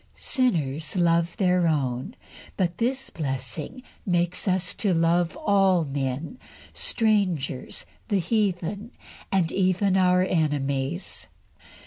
Sinners love their own, but this blessing makes us to love all men strangers, the heathen, and even our enemies.